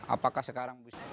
apakah sekarang bisa